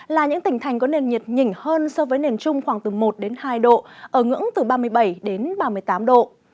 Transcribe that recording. là những tỉnh thành có nền nhiệt nhỉnh hơn so với nền trung khoảng từ một hai độ ở ngưỡng từ ba mươi bảy đến ba mươi tám độ